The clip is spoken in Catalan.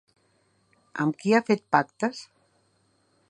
Amb qui ha fet pactes?